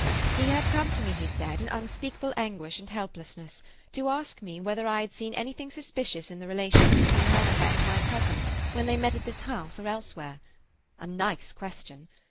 "He had come to me, he said, in unspeakable anguish and helplessness, to ask me whether I had seen anything suspicious in the relations between Monica and my cousin when they met at this house or elsewhere. A nice question!